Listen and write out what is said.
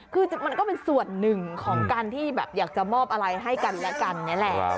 คือมันก็เป็นส่วนหนึ่งของการที่แบบอยากจะมอบอะไรให้กันและกันนี่แหละ